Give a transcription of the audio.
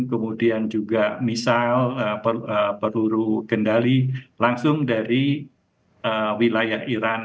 kemudian juga misal peruru kendali langsung dari wilayah iran